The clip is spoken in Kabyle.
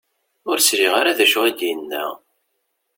Ur sliɣ ara d acu i d-yenna.